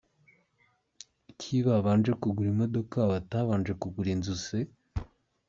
Kuki babanje kugura amamodoka batabanje kugura inzu se?